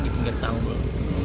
di pinggir tanggung